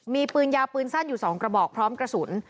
มีปืนยาวปืนสั้นอยู่๒กระบอกพร้อมกระสุน